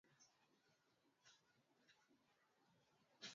Hakuna moshi wala moto.